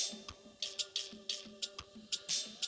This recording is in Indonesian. diturunkan dari segalanya